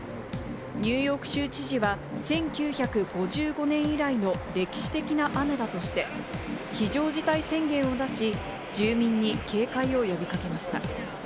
ニューヨーク州知事は１９５５年以来の歴史的な雨だとして、非常事態宣言を出し、住民に警戒を呼び掛けていました。